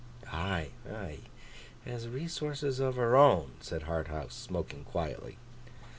'Ay, ay? Has resources of her own,' said Harthouse, smoking quietly.